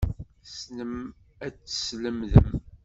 Tessnem ad teslemdem.